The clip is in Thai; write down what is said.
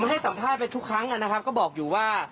ให้สัมภาษณ์ไปทุกครั้งนะครับก็บอกอยู่ว่า